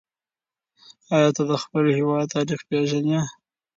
آیا ته د خپل هېواد تاریخ پېژنې؟